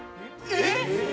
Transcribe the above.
えっ！？